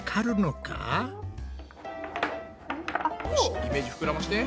イメージふくらまして。